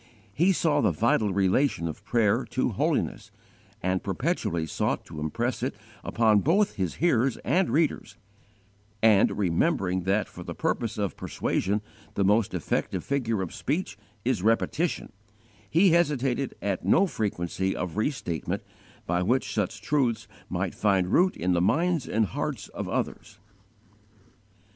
He saw the vital relation of prayer to holiness, and perpetually sought to impress it upon both his hearers and readers; and, remembering that for the purpose of persuasion the most effective figure of speech is repetition, he hesitated at no frequency of restatement by which such truths might find root in the minds and hearts of others.